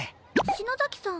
篠崎さん